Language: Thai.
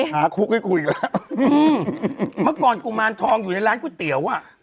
เมื่อก่อนกุมารทองอยู่ในร้านก๋วยเตี๋ยวอะ